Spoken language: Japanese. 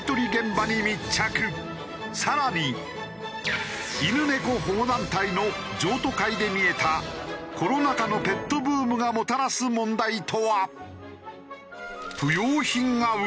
更に犬猫保護団体の譲渡会で見えたコロナ禍のペットブームがもたらす問題とは？